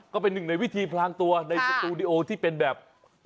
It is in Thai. ก็เป็นหนึ่งในวิธีพลางตัวในสตูดิโอที่เป็นแบบ